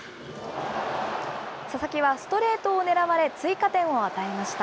佐々木はストレートを狙われ、追加点を与えました。